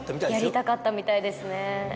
やりたかったみたいですね。